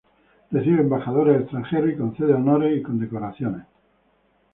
Recibe embajadores extranjeros y concede honores y condecoraciones.